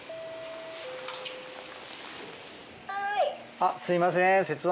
あっすいません『鉄腕！